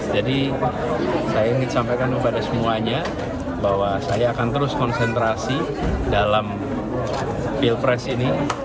jadi saya ingin sampaikan kepada semuanya bahwa saya akan terus konsentrasi dalam pilpres ini